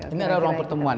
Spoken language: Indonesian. ini adalah ruang pertemuan